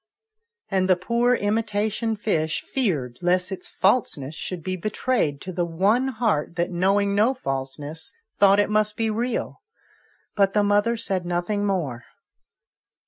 And the poor imitation fish feared lest its falseness should be betrayed to the one heart that, knowing no falseness, thought it must be real ; but the mother said nothing more.